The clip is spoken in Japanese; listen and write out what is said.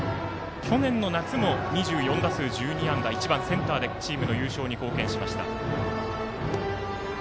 去年の夏も２４打数１２安打１番センターでチームの優勝に貢献しました。